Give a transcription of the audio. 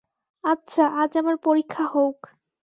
আচ্ছা, আজ আমার পরীক্ষা হউক!